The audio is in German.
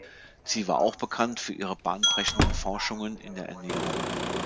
Sie war auch bekannt für ihre bahnbrechenden Forschungen in der Ernährung.